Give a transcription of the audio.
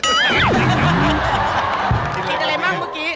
กินอะไรบ้างเมื่อกี้